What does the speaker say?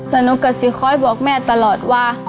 แล้วหนูกระซิบคอยบอกแม่ตลอดว่า